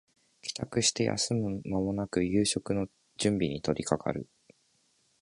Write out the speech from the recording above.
帰宅して休む間もなく夕食の準備に取りかかる